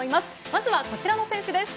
まずは、こちらの選手です。